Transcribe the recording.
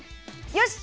よし！